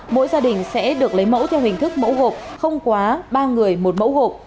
mỗi gia đình sẽ được lấy mẫu theo hình thức mẫu gộp không quá ba người một mẫu hộp